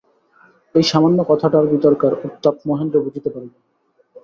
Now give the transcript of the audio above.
এই সামান্য কথাটার ভিতরকার উত্তাপ মহেন্দ্র বুঝিতে পারিল।